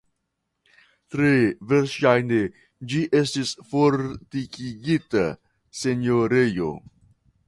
Tre verŝajne ĝi estis fortikigita senjorejo.